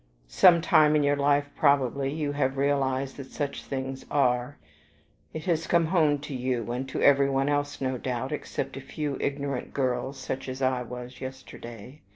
Some time in your life probably you have realized that such things are: it has come home to you, and to every one else, no doubt, except a few ignorant girls such as I was yesterday.